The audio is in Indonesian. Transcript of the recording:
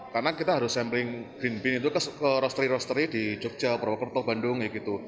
karena kita harus sampling green bean itu ke rosteri rosteri di jogja provokerto bandung